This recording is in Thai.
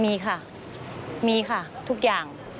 มีค่ะมีค่ะทุกอย่าง